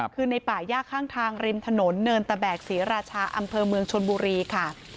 คือในป่าย่าข้างทางริมถนนเนินตะแบกศรีราชาอำเภอเมืองชนบุรีค่ะ